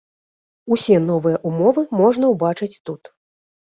Усе новыя ўмовы можна ўбачыць тут.